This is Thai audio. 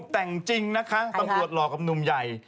แต่งจริงนะคะตำรวจหลอกกับหนุ่มใหญ่